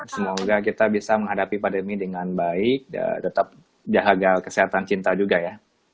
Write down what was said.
semoga kita bisa menghadapi pandemi dengan baik tetap jaga kesehatan cinta juga ya